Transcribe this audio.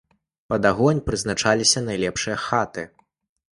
Пад агонь прызначаліся найлепшыя хаты.